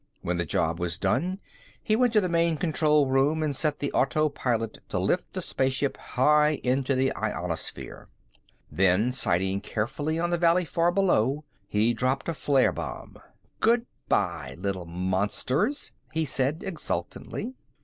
When the job was done, he went to the main control room and set the autopilot to lift the spaceship high into the ionosphere. Then, sighting carefully on the valley far below, he dropped a flare bomb. "Goodbye, little monsters," he said exultantly.